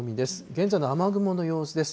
現在の雨雲の様子です。